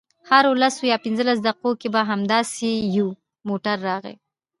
هرو لسو یا پنځلسو دقیقو کې به همداسې یو موټر راغی.